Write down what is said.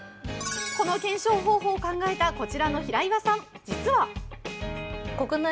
この検証方法を考えたこちらの平岩さん。